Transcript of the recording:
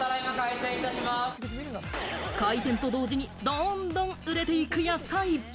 開店と同時にどんどん売れていく野菜。